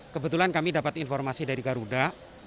kebetulan kami dapat informasi dari garuda